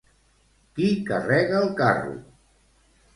Qui carrega el carro?